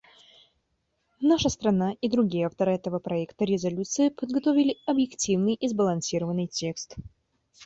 Наша страна и другие авторы этого проекта резолюции подготовили объективный и сбалансированный текст.